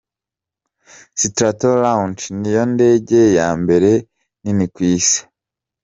Stratolaunch niyo ndege yambere nini kw’Isi.